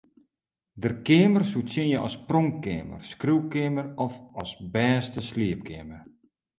Der keamer koe tsjinje as pronkkeamer, skriuwkeamer of as bêste sliepkeamer.